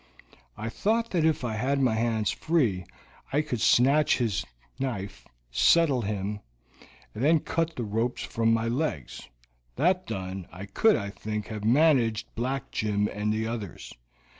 I thought that if I had my hands free, I could snatch his knife, settle him, and then cut the ropes from my legs; that done, I could, I think, have managed Black Jim and the others.